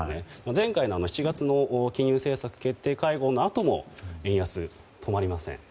前回の７月の金融政策決定会合のあとも円安、止まりません。